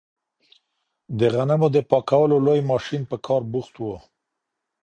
د غنمو د پاکولو لوی ماشین په کار بوخت و.